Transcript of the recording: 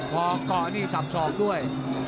พอเกาะนี่สับสอกด้วย